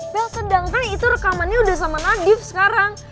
bel sedangkan itu rekamannya udah sama nadif sekarang